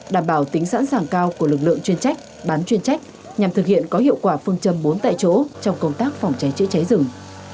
đảm bảo tính sẵn sàng cao của lực lượng chuyên trách bán chuyên trách nhằm thực hiện có hiệu quả phương châm bốn tại chỗ trong công tác phòng cháy chữa cháy rừng